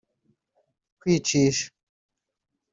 kwicisha